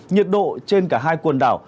nhiệt độ trên cả hai quần đảo